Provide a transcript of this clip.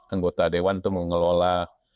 anggota dewan itu mengelola